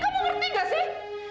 kamu ngerti gak sih